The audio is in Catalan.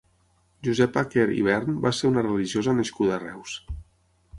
Josepa Quer Ivern va ser una religiosa nascuda a Reus.